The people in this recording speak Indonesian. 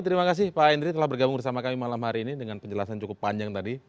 terima kasih pak henry telah bergabung bersama kami malam hari ini dengan penjelasan cukup panjang tadi